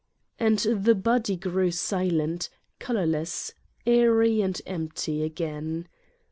And the body grew silent, colorless, airy and empty again.